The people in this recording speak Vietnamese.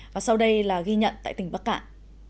và sau đây là ghi nhận tại tỉnh bắc cạn